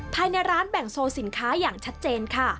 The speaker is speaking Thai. ภายในร้านแบ่งโซสินค้าอย่างชัดเจนค่ะ